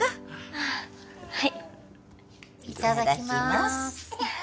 ああはいいただきます